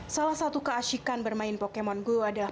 salah satu keasikan bermain pokemon go adalah